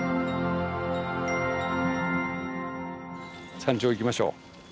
山頂行きましょう。